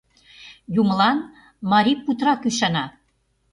Юмылан марий путырак ӱшана.